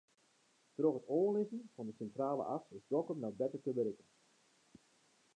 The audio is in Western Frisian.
Troch it oanlizzen fan de Sintrale As is Dokkum no better te berikken.